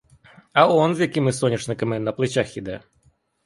А он з якими соняшниками на плечах іде!